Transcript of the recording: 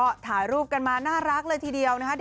ก็ถ่ายรูปกันมาน่ารักเลยทีเดียวนะคะ